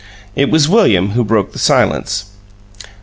It was William who broke the silence.